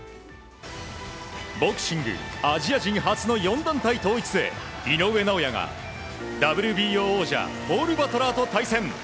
ボクシングアジア人初の４団体統一へ井上尚弥がＷＢＯ王者ポール・バトラーと対戦。